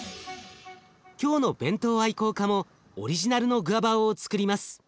今日の弁当愛好家もオリジナルのグアバオをつくります。